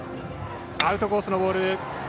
アウトコースのボール。